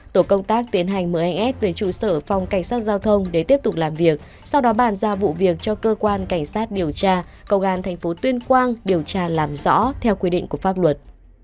tổ công tác tiến hành mời anh s về trụ sở phòng cảnh sát giao thông để tiếp tục làm việc sau đó bàn ra vụ việc cho cơ quan cảnh sát điều tra công an thành phố tuyên quang điều tra làm rõ theo quy định của pháp luật